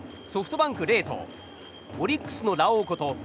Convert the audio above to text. ソフトバンク、レイとオリックスのラオウこと